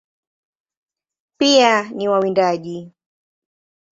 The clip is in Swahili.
Pia ni wawindaji.